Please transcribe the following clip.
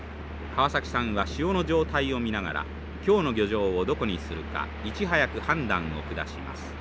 川崎さんは潮の状態を見ながら今日の漁場をどこにするかいち早く判断を下します。